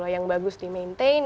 yang bagus dimaintain